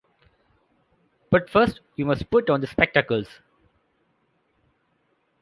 But first you must put on the spectacles.